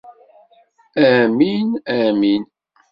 Amin! Amin!